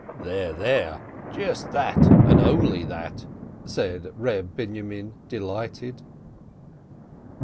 "There, there ! Just that, and only that !" said Reb Binyomin, delighted.